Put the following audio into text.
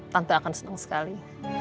tante akan seneng sekali